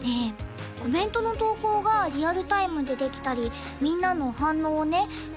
コメントの投稿がリアルタイムでできたりみんなの反応をね